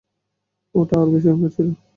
ওটা আরো বেশি ভয়ঙ্কর ছিল।